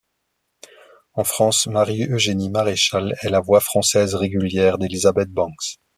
En France, Marie-Eugénie Maréchal est la voix française régulière d'Elizabeth Banks.